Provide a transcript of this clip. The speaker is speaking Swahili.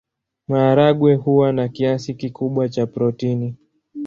Maharagwe huwa na kiasi kikubwa cha protini.